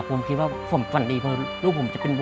ผมคิดว่าผมฝันดีเพราะลูกผมจะเป็นเด็ก